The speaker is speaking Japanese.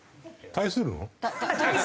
対するの？